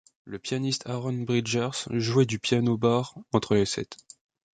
Le pianiste Aaron Bridgers jouait du piano bar entre les sets.